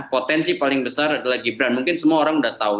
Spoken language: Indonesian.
potensi paling besar adalah gibran mungkin semua orang sudah tahu